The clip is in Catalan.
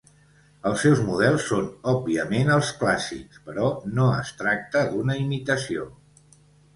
Els seus models són òbviament els clàssics, però no es tracta d'una imitació.